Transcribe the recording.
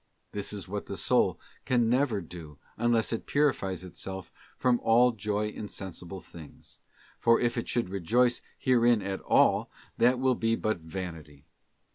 This is what the soul can never do unless it purifies itself from all joy in sensible things, for if it should rejoice herein at all that will be but vanity.